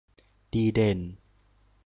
ดีเด่น